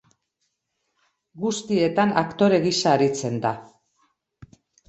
Guztietan aktore gisa aritzen da.